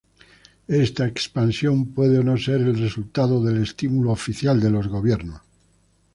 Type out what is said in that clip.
Esta expansión puede o no ser el resultado del estímulo oficial de los gobiernos.